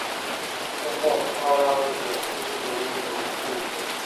ښه سیاستوال هغه دی چې د خپلې ټولنې په غوښتنو پوه سي.